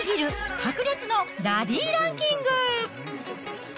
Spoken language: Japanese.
白熱のラリーランキング。